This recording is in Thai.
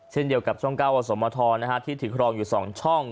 เช่นเดียวกับช่อง๙อสมทรที่ถือครองอยู่๒ช่อง